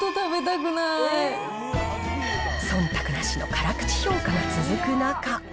そんたくなしの辛口評価が続く中。